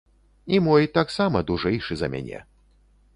І мой таксама дужэйшы за мяне.